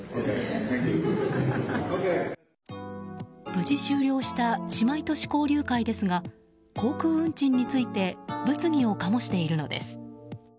無事、終了した姉妹都市交流会ですが航空運賃について物議を醸しているのです。